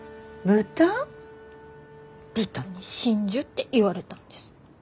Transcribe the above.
「豚に真珠」って言われたんです。